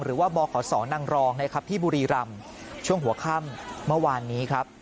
หรือว่าบขนางรองที่บุรีรำช่วงหัวข้ำเมื่อวานนี้ครับ